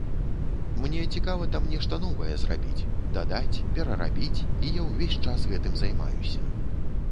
Мне цікава там нешта новае зрабіць, дадаць, перарабіць, і я ўвесь час гэтым займаюся.